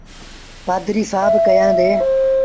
پآڌريٚ سآب ڪيآندي ۔